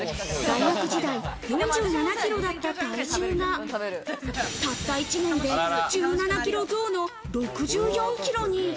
大学時代、４７キロだった体重が、たった１年で、１７キロ増の６４キロに。